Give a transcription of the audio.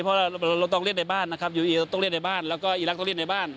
เพราะเราต้องเล่นในบ้านนะครับยูอีเราต้องเล่นในบ้านแล้วก็อีรักษ์ต้องเล่นในบ้าน